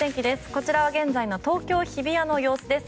こちらは現在の東京・日比谷の様子です。